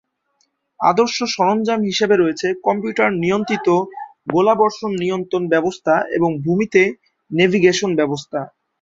আদর্শ সরঞ্জাম হিসেবে রয়েছে কম্পিউটার নিয়ন্ত্রিত গোলাবর্ষণ নিয়ন্ত্রণ ব্যবস্থা এবং ভূমিতে নেভিগেশন ব্যবস্থা।